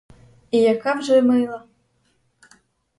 І яка вже мила!